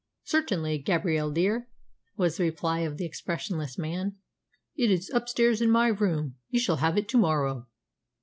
"Certainly, Gabrielle dear," was the reply of the expressionless man. "It is upstairs in my room. You shall have it to morrow."